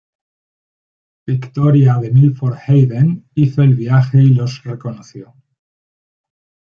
Victoria de Milford Haven hizo el viaje y los reconoció.